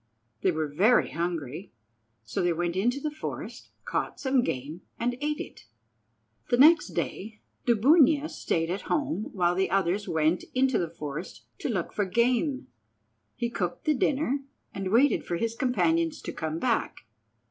They were very hungry, so they went into the forest, caught some game, and ate it. The next day Dubunia stayed at home while the others went into the forest to look for game. He cooked the dinner, and waited for his companions to come back.